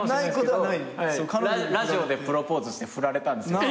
ラジオでプロポーズして振られたんです。